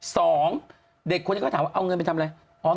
สองเด็กคนนี้ก็ถามว่าเอาเงินไปทำอะไร